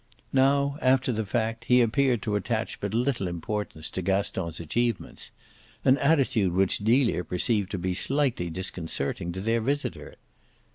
Now, after the fact, he appeared to attach but little importance to Gaston's achievements an attitude which Delia perceived to be slightly disconcerting to their visitor.